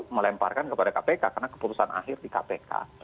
melemparkan kepada kpk karena keputusan akhir di kpk